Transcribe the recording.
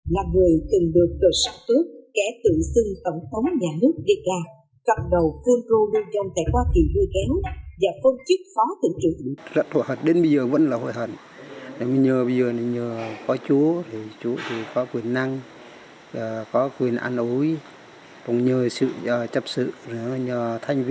là người từng được kershaw tước kẻ tự xưng tổng thống nhà nước địa càng cặp đầu phương rô lưu dông tại hoa kỳ